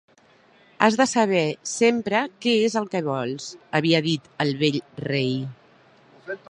"Has de saber sempre què és el que vols" havia dit el vell rei.